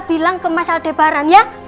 bilang ke mas aldebaran ya